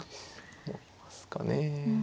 思いますかね。